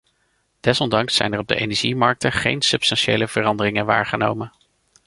Desondanks zijn er op de energiemarkten geen substantiële veranderingen waargenomen.